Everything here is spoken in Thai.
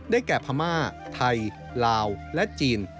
แก่พม่าไทยลาวและจีน